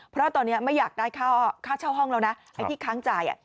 เพราะตอนนี้ไม่อยากได้ค่าเช่าห้องแล้วนะไอ้ที่ค้างจ่าย